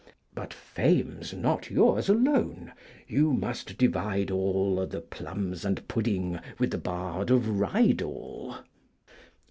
But fame's not yours alone; you must divide all The plums and pudding with the Bard of Rydal!